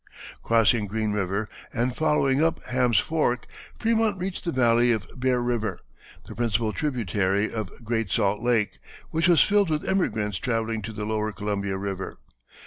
Crossing Green River and following up Ham's Fork, Frémont reached the valley of Bear River, the principal tributary of Great Salt Lake, which was filled with emigrants travelling to the lower Columbia River.